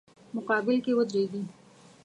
مقابل کې ودریږي.